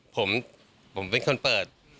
ผมเป็นคนเปิด